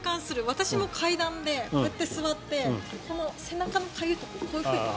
私も階段で、こうやって座ってこの背中のかゆいところをこういうふうに。